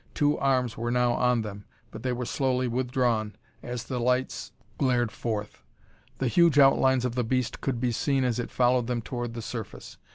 Two arms were now on them but they were slowly withdrawn as the lights glared forth. The huge outlines of the beast could be seen as it followed them toward the surface.